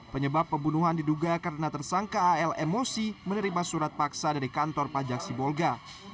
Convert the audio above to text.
penyebab pembunuhan diduga karena tersangka al emosi menerima surat paksa dari kantor pajak sibolga